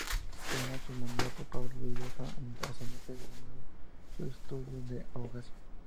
Terminado su mandato, Pablo volvió a Santa Fe y reanudó sus estudios de abogacía.